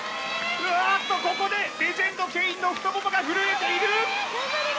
ああっとここでレジェンド・ケインの太ももが震えている！